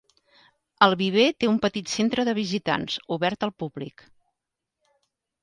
El viver té un petit centre de visitants, obert al públic.